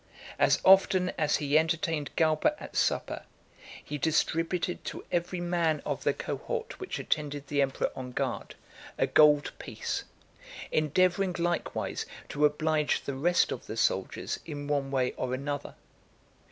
As often as he entertained Galba at supper, he distributed to every man of the cohort which attended the emperor on guard, a gold piece; endeavouring likewise to oblige the rest of the soldiers in one way or another.